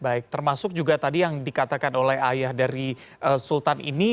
baik termasuk juga tadi yang dikatakan oleh ayah dari sultan ini